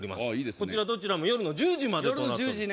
こちらどちらも夜の１０時までと夜の１０時ね